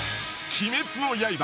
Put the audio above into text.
『鬼滅の刃』